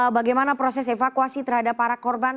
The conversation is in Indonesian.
bagaimana proses evakuasi terhadap para korban